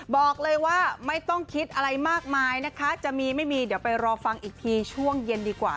บอกเลยว่าไม่ต้องคิดอะไรมากมายนะคะจะมีไม่มีเดี๋ยวไปรอฟังอีกทีช่วงเย็นดีกว่า